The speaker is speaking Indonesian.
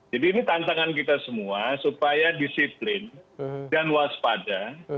jadi ini tantangan kita semua supaya disiplin dan waspada